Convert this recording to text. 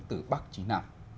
từ bắc chí nam